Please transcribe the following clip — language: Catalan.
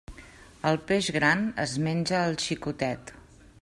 El peix gran es menja al xicotet.